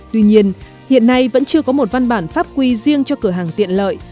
tuy nhiên hiện nay vẫn chưa có một văn bản pháp quy riêng cho cửa hàng tiện lợi